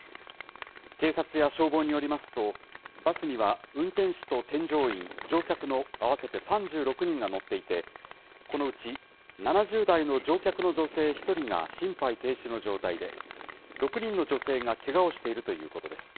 警察や消防によりますと、バスには、運転手と添乗員、乗客の合わせて３６人が乗っていて、このうち７０代の乗客女性１人が心肺停止の状態で、６人の女性がけがをしているということです。